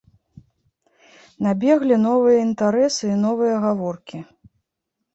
Набеглі новыя інтарэсы і новыя гаворкі.